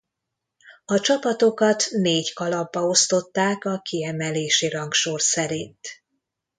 A csapatokat négy kalapba osztották a kiemelési rangsor szerint.